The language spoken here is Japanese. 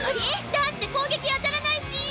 だって攻撃当たらないし！